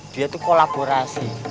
dia tuh kolaborasi